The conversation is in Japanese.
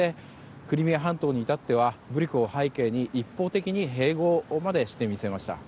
クリミア半島に至っては武力を背景に一方的に併合までしてみせました。